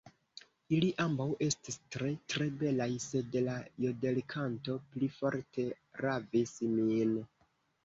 Ili ambaŭ estis tre, tre belaj, sed la jodelkanto pli forte ravis min.